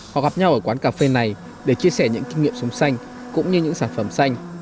họ gặp nhau ở quán cà phê này để chia sẻ những kinh nghiệm sống xanh cũng như những sản phẩm xanh